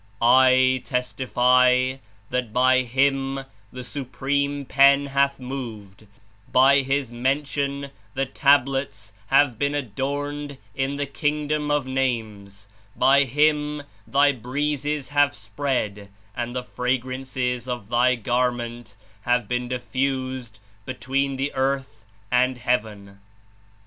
"I testify that by Him the Supreme Pen hath moved, by His mention the Tablets have been adorned In the Kingdom of Names, by Him Thy Breezes have spread and the fragrances of Thy Garment have been diffused between the earth and heaven."